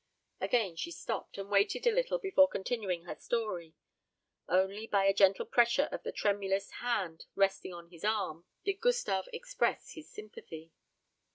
Again she stopped, and waited a little before continuing her story. Only by a gentle pressure of the tremulous hand resting on his arm did Gustave express his sympathy.